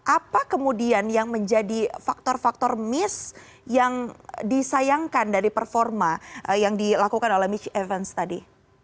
apa kemudian yang menjadi faktor faktor miss yang disayangkan dari performa yang dilakukan oleh mitch evans tadi